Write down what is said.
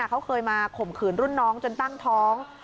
เขาเคยมาข่มขืนรุ่นน้องจนตั้งท้อง